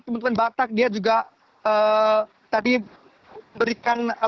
teman teman batak juga tadi berikan lagu